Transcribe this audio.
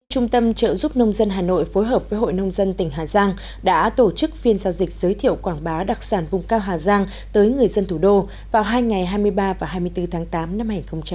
trung tâm trợ giúp nông dân hà nội phối hợp với hội nông dân tỉnh hà giang đã tổ chức phiên giao dịch giới thiệu quảng bá đặc sản vùng cao hà giang tới người dân thủ đô vào hai ngày hai mươi ba và hai mươi bốn tháng tám năm hai nghìn hai mươi